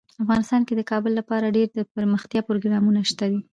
افغانستان کې د کابل لپاره ډیر دپرمختیا پروګرامونه شته دي.